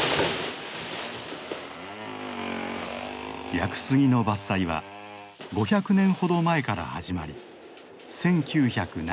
屋久杉の伐採は５００年ほど前から始まり１９７０年まで続いた。